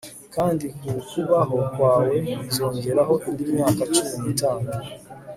kandi ku kubaho kwawe nzongeraho indi myaka cumi n'itanu